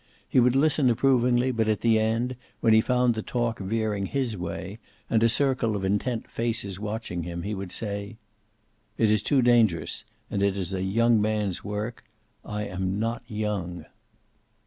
He would listen approvingly, but at the end, when he found the talk veering his way, and a circle of intent faces watching him, he would say: "It is too dangerous. And it is a young man's work. I am not young."